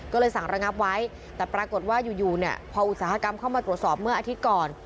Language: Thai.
ก็เลยสั่งระงับไว้แต่ปรากฏว่าอยู่เนี่ยพออุตสาหกรรมเข้ามาตรวจสอบเมื่ออาทิตย์ก่อน